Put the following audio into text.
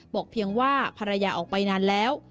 เพียงว่าภรรยาออกไปนานแล้ว